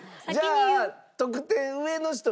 じゃあ得点上の人から。